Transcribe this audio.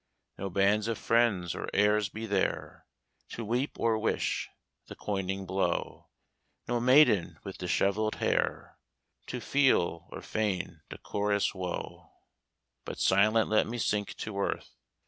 "No band of friends or heirs be there, To weep or wish the coining blow: No maiden with dishevelled hair, To feel, or fein decorous woe. "But silent let me sink to earth.